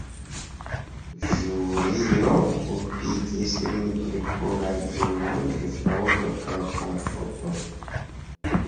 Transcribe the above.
Ĵurio kulpigis lin pri pluraj krimoj de fraŭdo kaj komploto.